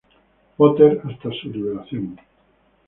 Potter hasta su liberación.